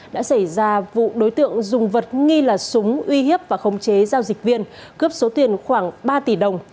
đã xảy ra vụ đối tượng dùng vật nghi là súng uy hiếp và khống chế giao dịch viên cướp số tiền khoảng ba tỷ đồng